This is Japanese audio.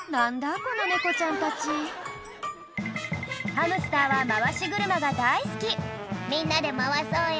この猫ちゃんたちハムスターは回し車が大好き「みんなで回そうよ」